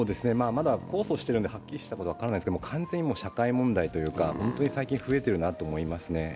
まだ控訴しているのではっきりしていないというか完全に社会問題というか本当に最近増えていると思いますね。